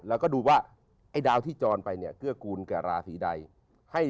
แล้วก็ดูว่าไอ้ดาวที่จรไปเนี่ยเกื้อกูลกับราศีใด